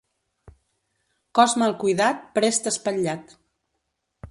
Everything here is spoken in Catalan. Cos mal cuidat prest espatllat.